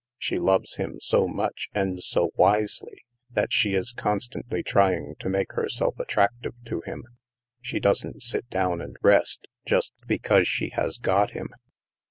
She loves him so much, and so wisely, that she is constantly trying to make herself attract ive to him. She doesn't sit down and rest, just because she has got him."